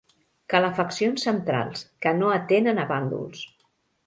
Calefaccions centrals, que no atenen a bàndols.